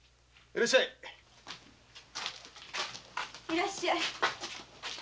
いらっしゃい！